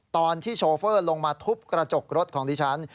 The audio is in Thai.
โชเฟอร์ลงมาทุบกระจกรถของดิฉัน